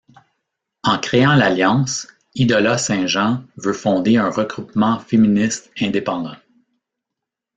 En créant l’alliance, Idola Saint-Jean veut fonder un regroupement féministe indépendant.